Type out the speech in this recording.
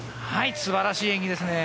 素晴らしい演技ですね。